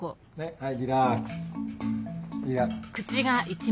はい。